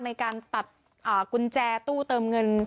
ในการตัดกุญแจตู้เติมเงิน